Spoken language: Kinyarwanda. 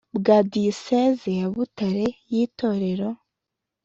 bwa diyiseze ya butare yitorero